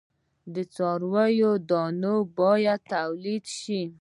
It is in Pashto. د څارویو دانه باید تولید شي.